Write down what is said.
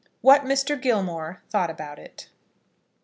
WHAT MR. GILMORE THOUGHT ABOUT IT.